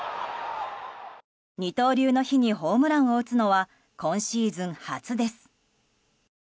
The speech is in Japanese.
二刀流の日にホームランを打つのは今シーズン初です。